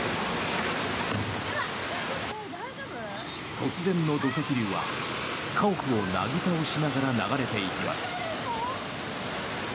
突然の土石流は家屋をなぎ倒しながら流れていきます。